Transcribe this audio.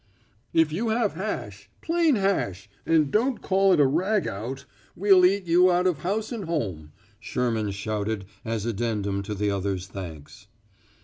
"If you have hash plain hash and don't call it a rag owt, we'll eat you out of house and home," Sherman shouted as addendum to the others' thanks.